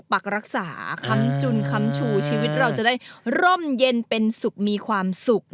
ปักรักษาคำจุนคำชูชีวิตเราจะได้ร่มเย็นเป็นสุขมีความสุข